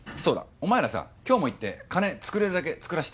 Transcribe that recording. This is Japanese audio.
お前らさ今日も行って金作れるだけ作らして。